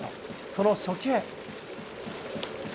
その初球。